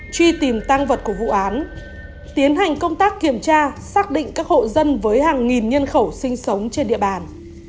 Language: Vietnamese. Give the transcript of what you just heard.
truy tìm tăng vật của vụ án tiến hành công tác kiểm tra xác định các hộ dân với hàng nghìn nhân khẩu sinh sống trên địa bàn